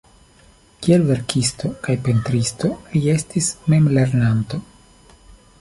Kiel verkisto kaj pentristo li estis memlernanto.